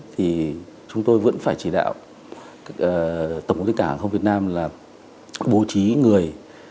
thì chúng tôi vẫn phải chỉ đạo tổng quốc tế cả hàng không việt nam là bố trí người